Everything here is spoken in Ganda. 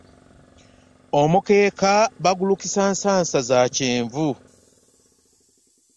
Omukeeka bagukisa ensansa za kyenvu.